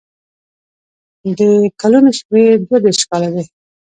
د کلونو شمېر دوه دېرش کاله دی.